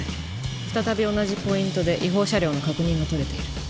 再び同じポイントで違法車両の確認が取れている。